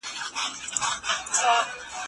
نن به مي په کټ کي په لړزه سي د غلیم غلام